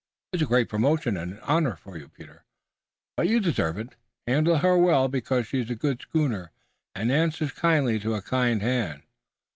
It's a great promotion and honor for you, Peter, but you deserve it! Handle her well because she's a good schooner and answers kindly to a kind hand!